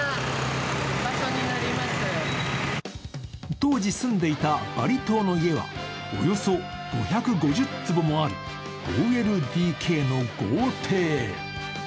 当時、住んでいたバリ島の家はおよそ５５０坪もある５ＬＤＫの豪邸。